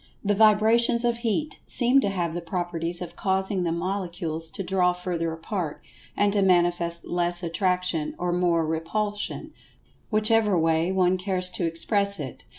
The vibrations of Heat seem to have the properties of causing the Molecules to draw further apart, and to manifest less Attraction, or more Repulsion, whichever way one cares to express it.